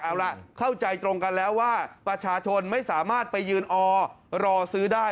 เอาล่ะเข้าใจตรงกันแล้วว่าประชาชนไม่สามารถไปยืนออรอซื้อได้